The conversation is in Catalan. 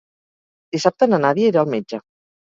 Dissabte na Nàdia irà al metge.